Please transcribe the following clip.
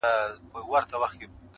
اوس پر څه دي جوړي کړي غلبلې دي؛